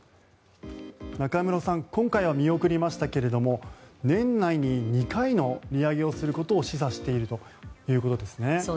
中室さん、今回は見送りましたが年内に２回の利上げをすることを示唆しているということですね。